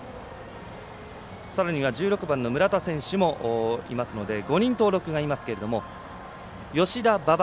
さらには１６番の村田選手がいますので５人登録がいますけれども吉田、馬場